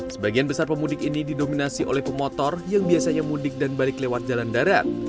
sebagian besar pemudik ini didominasi oleh pemotor yang biasanya mudik dan balik lewat jalan darat